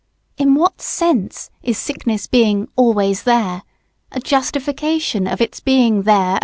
In what sense is "sickness" being "always there," a justification of its being "there" at all?